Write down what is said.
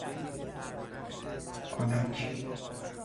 کنک